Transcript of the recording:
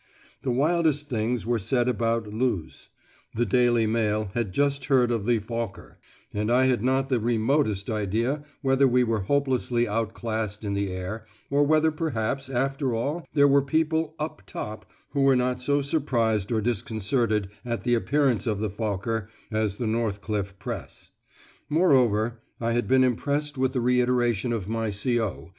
The wildest things were said about Loos; the Daily Mail had just heard of the Fokker, and I had not the remotest idea whether we were hopelessly outclassed in the air, or whether perhaps after all there were people "up top" who were not so surprised or disconcerted at the appearance of the Fokker as the Northcliffe Press. Moreover, I had been impressed with the reiteration of my C.O.